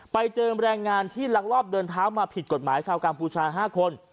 ไปเจอแรงงานที่ลักลอบเดินเท้ามาผิดกฎหมายชาวกัมพูชา๕คน